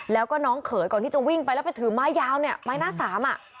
แล้วก็น้องเขยก่อนที่จะวิ่งไปแล้วไปถือไม้ยาวเนี่ยไม้หน้าสามอ่ะ